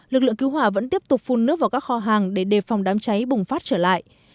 lực lượng cứu hỏa vẫn tiếp tục phun nước vào các kho hàng để đề phòng đám cháy bùng phát trở lại